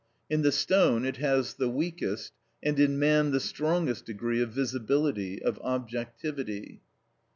In the stone it has the weakest, and in man the strongest degree of visibility, of objectivity.